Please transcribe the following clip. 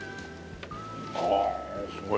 ああすごい。